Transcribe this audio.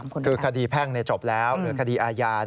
คือคดีแพ่งจบแล้วหรือคดีอาญา